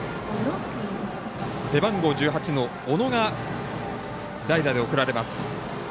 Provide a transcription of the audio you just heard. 背番号１８の小野が代打で送られます。